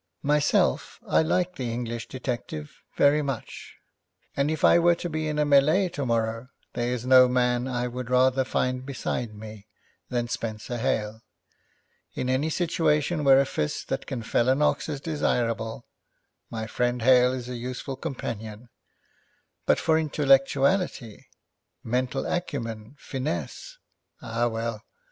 Myself, I like the English detective very much, and if I were to be in a mêlée tomorrow, there is no man I would rather find beside me than Spenser Hale. In any situation where a fist that can fell an ox is desirable, my friend Hale is a useful companion, but for intellectuality, mental acumen, finesse ah, well!